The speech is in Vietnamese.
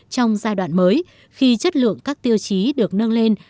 trong giai đoạn mới khi chất lượng các tiêu chí được nâng lên